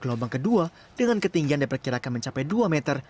gelombang kedua dengan ketinggian diperkirakan mencapai dua meter